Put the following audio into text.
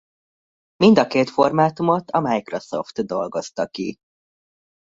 Mind a két formátumot a Microsoft dolgozta ki.